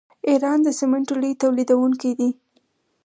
ایران د سمنټو لوی تولیدونکی دی.